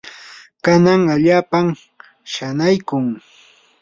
kan allaapam shanaykun.